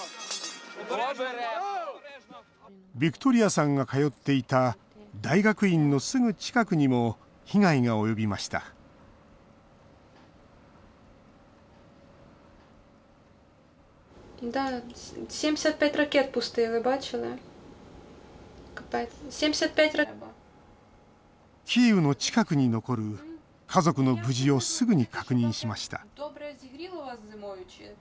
ビクトリアさんが通っていた大学院のすぐ近くにも被害が及びましたキーウの近くに残る家族の無事をすぐに確認しました。